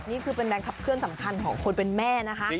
นี่คือเป็นแรงขับเคลื่อนสำคัญของคนเป็นแม่นะคะ